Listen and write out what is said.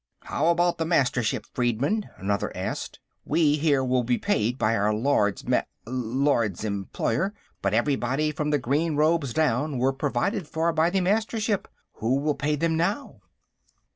"How about the Mastership freedmen?" another asked. "We, here, will be paid by our Lords Mas ... Lords Employer. But everybody from the green robes down were provided for by the Mastership. Who will pay them, now?"